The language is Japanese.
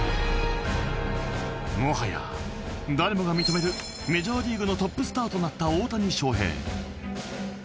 もはや誰もが認めるメジャーリーグのトップスターとなった大谷翔平。